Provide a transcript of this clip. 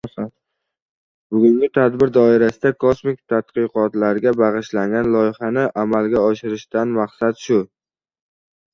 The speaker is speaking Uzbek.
Bugungi tadbir doirasida kosmik tadqiqotlarga bagʼishlangan loyihani amalga oshirishdan maqsad shu.